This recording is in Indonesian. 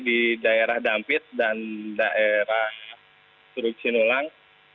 di daerah dampit dan daerah suruk sinulang